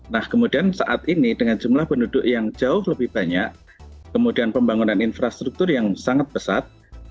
nah kemudian saat ini dengan jumlah penduduk yang jauh lebih banyak kemudian pembangunan infrastruktur yang sangat pesat